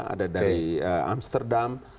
ada dari amsterdam